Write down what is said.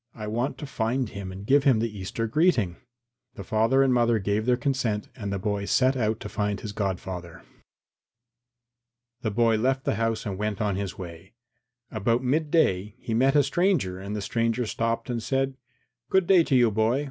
I want to find him and give him the Easter greeting." The father and mother gave their consent and the boy set out to find his godfather. III The boy left the house and set out on his way. About midday he met a stranger and the stranger stopped and said, "Good day to you, boy.